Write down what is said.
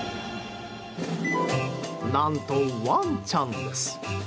何と、ワンちゃんです。